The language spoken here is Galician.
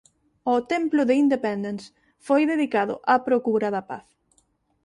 O Templo de Independence foi dedicado á procura da paz.